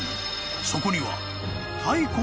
［そこには］